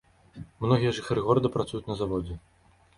Многія жыхары горада працуюць на заводзе.